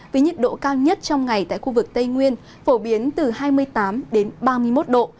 với nhiệt độ cao nhất trong ngày tại khu vực tây nguyên phổ biến từ hai mươi tám ba mươi một độ